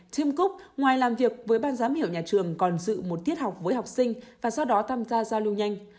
tim cúc ngoài làm việc với ban giám hiệu nhà trường còn dự một tiết học với học sinh và sau đó tham gia giao lưu nhanh